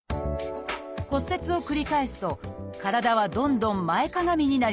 骨折を繰り返すと体はどんどん前かがみになります。